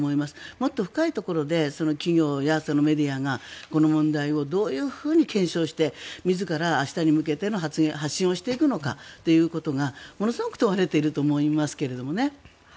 もっと深いところで企業やメディアがこの問題をどういうふうに検証して自ら明日に向けての発信をしていくのかということがものすごく問われていると思いますけどね。